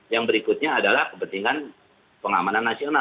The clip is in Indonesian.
yang berikutnya adalah kepentingan pengamanan nasional